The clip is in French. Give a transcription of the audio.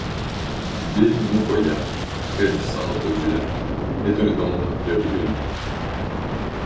L'île Mokoia, près du centre du lac, est un dôme de rhyolite.